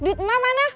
duit emak mana